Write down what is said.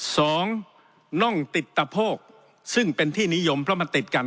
สองน่องติดตะโพกซึ่งเป็นที่นิยมเพราะมันติดกัน